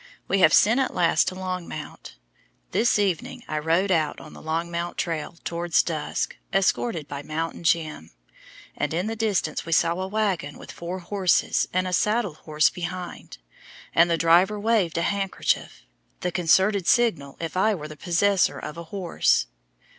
We have sent at last to Longmount. The evening I rode out on the Longmount trail towards dusk, escorted by "Mountain Jim," and in the distance we saw a wagon with four horses and a saddle horse behind, and the driver waved a handkerchief, the concerted signal if I were the possessor of a horse.